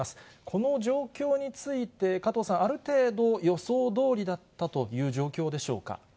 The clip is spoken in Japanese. この状況について、加藤さん、ある程度、予想どおりだったという状況でしょうか？